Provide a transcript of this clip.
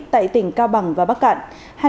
tại tỉnh cao bằng và bắc cạn